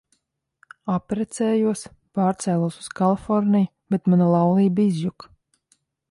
Apprecējos, pārcēlos uz Kaliforniju, bet mana laulība izjuka.